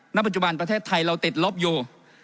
ณปัจจุบันประเทศไทยเราติดลบอยู่